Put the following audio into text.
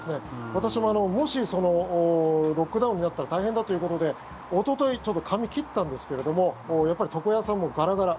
私ももしロックダウンになったら大変だということでおとといちょっと髪切ったんですけれどもやっぱり床屋さんもガラガラ。